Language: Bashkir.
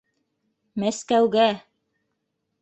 Мәскәүгә!